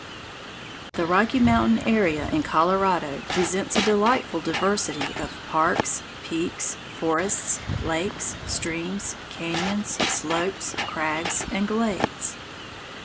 Altogether, the Rocky Mountain area in Colorado presents a delightful diversity of parks, peaks, forests, lakes, streams, cañons, slopes, crags, and glades.